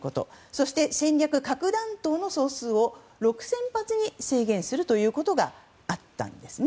そして戦略核弾頭の総数を６０００発に制限することがあったんです。